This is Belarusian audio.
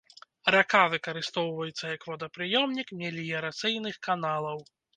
Рака выкарыстоўваецца як водапрыёмнік меліярацыйных каналаў.